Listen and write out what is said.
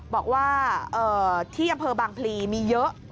บอกว่าที่อำเภอบางพลีมีเยอะ